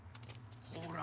ほら！